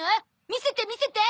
見せて見せて！